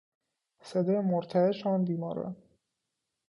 صدای مرتعش آن بیماران